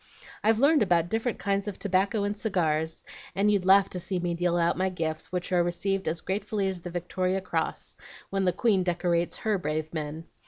I've learned about different kinds of tobacco and cigars, and you'd laugh to see me deal out my gifts, which are received as gratefully as the Victoria Cross, when the Queen decorates HER brave men.